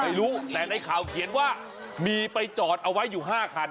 ไม่รู้แต่ในข่าวเขียนว่ามีไปจอดเอาไว้อยู่๕คัน